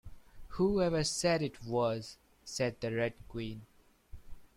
‘Who ever said it was?’ said the Red Queen.